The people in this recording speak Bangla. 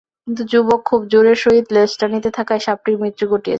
কিন্তু যুবক খুব জোরের সহিত লেজ টানিতে থাকায় সাপটির মৃত্যু ঘটিয়াছিল।